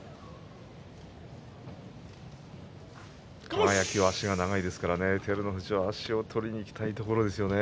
輝は足が長いですから照強は足を取りにいきたいですね。